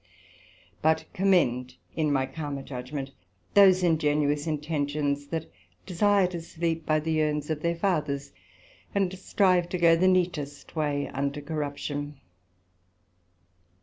But commend in my calmer judgement, those ingenuous intentions that desire to sleep by the urns of their Fathers, and strive to go the neatest way unto corruption.